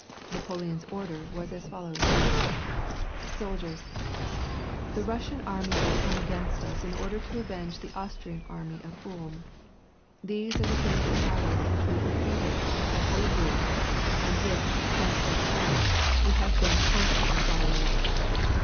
Napoleon's order was as follows, — "Soldiers ! The Russian army has come against us in order to avenge ue Austrian arroy of Ulm. These are the same battalions which we ^^c^^ated at Hollabriinn, and which, since that time, we have been con >^Uy following up.